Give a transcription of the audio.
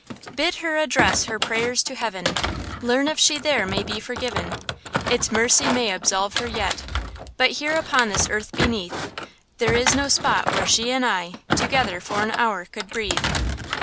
Bid her address her prayers to Heaven! Learn if she there may be forgiven; Its mercy may absolve her yet! But here upon this earth beneath There is no spot where she and I Together for an hour could breathe!